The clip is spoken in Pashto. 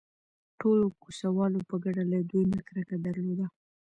ټولو کوڅه والو په ګډه له دوی نه کرکه درلوده.